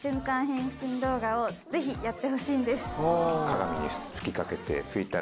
変身動画をぜひやってほしいんです。